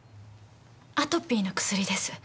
アトピーの薬です。